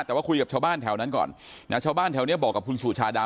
แต่ว่าคุยกับชาวบ้านแถวนั้นก่อนนะชาวบ้านแถวนี้บอกกับคุณสุชาดา